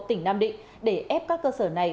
tỉnh nam định để ép các cơ sở này